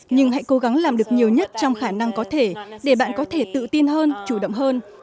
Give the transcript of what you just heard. nhưng hãy cố gắng làm được nhiều nhất trong khả năng có thể để bạn có thể tự tin hơn chủ động hơn